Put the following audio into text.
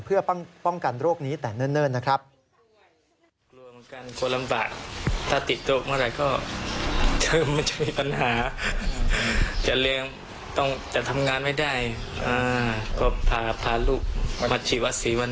เพื่อป้องกันโรคนี้แต่เนิ่นนะครับ